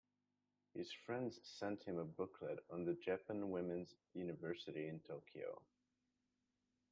His friends sent him a booklet on the Japan Women's University in Tokyo.